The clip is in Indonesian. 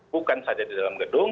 bukan saja di dalam gedung